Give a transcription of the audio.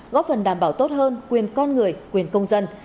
góp phần đảm bảo tốt hơn quyền con người quyền công dân